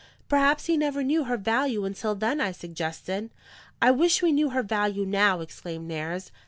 "Perhaps he never knew her value until then," I suggested. "I wish we knew her value now," exclaimed Nares.